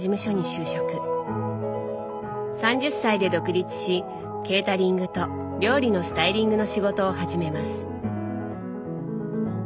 ３０歳で独立しケータリングと料理のスタイリングの仕事を始めます。